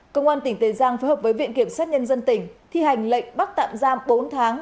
công an tỉnh tiền giang phối hợp với viện kiểm sát nhân dân tỉnh thi hành lệnh bắt tạm giam bốn tháng